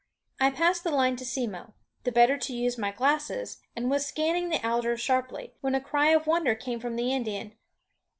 I passed the line to Simmo, the better to use my glasses, and was scanning the alders sharply, when a cry of wonder came from the Indian.